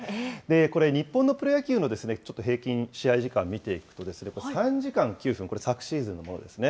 これ、日本のプロ野球のちょっと平均試合時間を見ていきますと、３時間９分、これ、昨シーズンのですね。